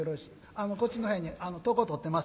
あのこっちの部屋に床とってます